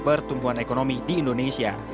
pertumbuhan ekonomi di indonesia